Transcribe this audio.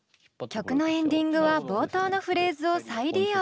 曲のエンディングは冒頭のフレーズを再利用。